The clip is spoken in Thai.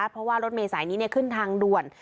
เพราะว่ารถเมษายนี้ขึ้นทางด่วน